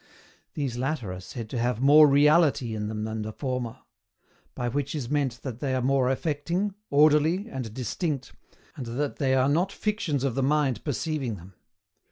These latter are said to have more REALITY in them than the former: by which is meant that they are more affecting, orderly, and distinct, and that they are not fictions of the mind perceiving them.